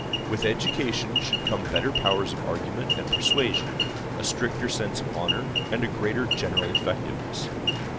With education should come better powers of argument and persuasion, a stricter sense of honor, and a greater general effectiveness.